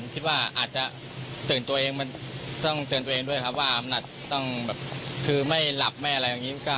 ผมคิดว่าอาจจะเตือนตัวเองด้วยอำนัดไม่คลาดไม่อะไรอย่างงี้